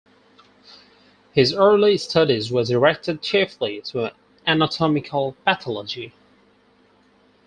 His early studies were directed chiefly to anatomical pathology.